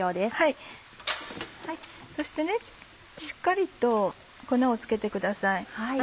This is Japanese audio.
そしてしっかりと粉を付けてください。